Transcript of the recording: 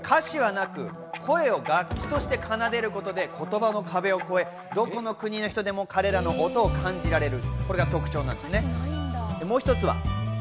歌詞はなく、声を楽器として奏でることで、言葉の壁を越え、どこの国の人でも彼らの音を感じられる。